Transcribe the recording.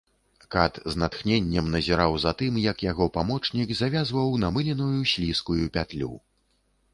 Кат з натхненнем назіраў за тым, як яго памочнік завязваў намыленую, слізкую пятлю.